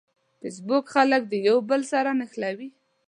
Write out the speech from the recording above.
فېسبوک خلک د یوه بل سره نښلوي.